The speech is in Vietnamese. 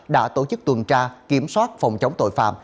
đã tổ chức tuần tra kiểm soát phòng chống tội phạm